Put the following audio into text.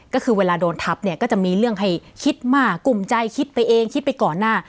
ก็คือเวลาโดนทับเนี่ยก็จะมีเรื่องให้คิดมากกลุ่มใจคิดไปเองคิดไปก่อนหน้า